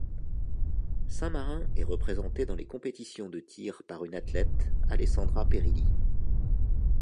Saint-Marin est représenté dans les compétitions de tirs par une athlète, Alessandra Perilli.